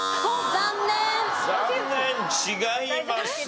残念違います。